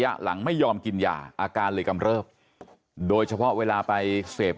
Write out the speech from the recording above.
ฝางเดี๋ยวเขาลั้นแล้ว